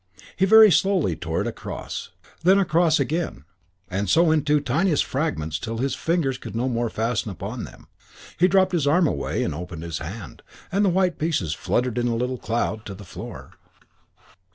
He very slowly tore it across, and then across again, and so into tiniest fragments till his fingers could no more fasten upon them. He dropped his arm away and opened his hand, and the white pieces fluttered in a little cloud to the floor.